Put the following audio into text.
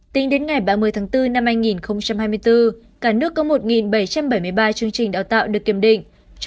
tính đến ngày ba mươi tháng bốn năm hai nghìn hai mươi bốn cả nước có một bảy trăm bảy mươi ba chương trình đào tạo được kiểm định